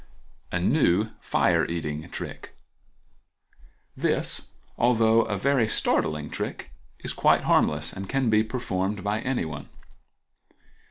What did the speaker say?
A New Fire eating Trick.—This, although a very startling trick, is quite harmless, and can be performed by anyone.